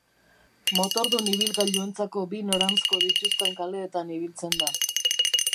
Motordun ibilgailuentzako bi noranzko dituzten kaleetan ibiltzen da.